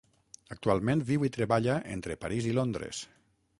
Actualment viu i treballa entre París i Londres.